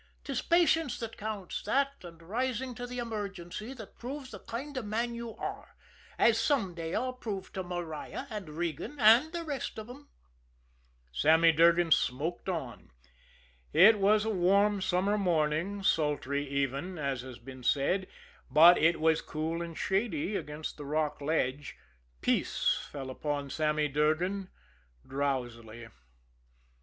'Tis patience that counts, that and rising to the emergency that proves the kind of a man you are, as some day I'll prove to Maria, and Regan, and the rest of 'em." Sammy Durgan smoked on. It was a warm summer morning, sultry even, as has been said, but it was cool and shady against the rock ledge. Peace fell upon Sammy Durgan drowsily.